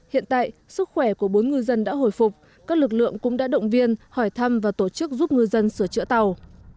hiện tại sức khỏe của bốn ngư dân đã hồi phục các lực lượng cũng đã động viên hỏi thăm và tổ chức giúp ngư dân sửa chữa tàu